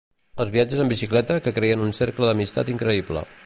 Els viatges en bicicleta que creen un cercle d'amistat increïble.